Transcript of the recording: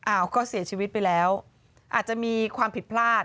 อ้าวก็เสียชีวิตไปแล้วอาจจะมีความผิดพลาด